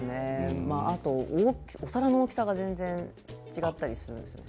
あと、お皿の大きさが全然違ったりするんです。